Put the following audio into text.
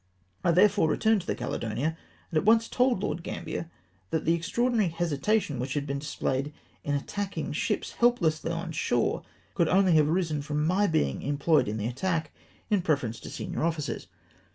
I therefore returned to the Caledonia, and at once told Lord Gambler that the extraordinary hesitation which had been dis played in attacking ships helplessly on shore, could only have arisen from my bemg employed in the attack, in preference to senior officers.